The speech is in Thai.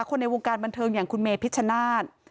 ในวงการบันเทิงอย่างคุณเมพิชชนาธิ์